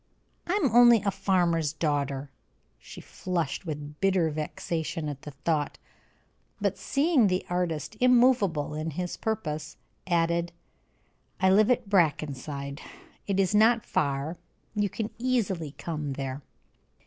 "I am only a farmer's daughter." She flushed with bitter vexation at the thought, but seeing the artist immovable in his purpose, added: "I live at Brackenside, it is not far; you can easily come there."